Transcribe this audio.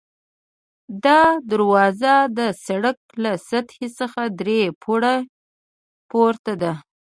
دا دروازه د سړک له سطحې څخه درې پوړۍ پورته ده.